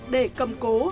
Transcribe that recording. để cầm cố